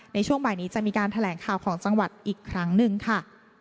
ในช่วงบ่ายนี้จะมีการแถลงข่าวของจังหวัดอีกครั้งหนึ่งค่ะ